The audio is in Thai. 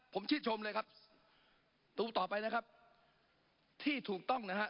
ผมชื่นชมเลยครับดูต่อไปนะครับที่ถูกต้องนะฮะ